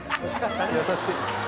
優しい。